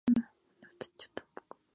Los adultos son activos entre mayo y agosto.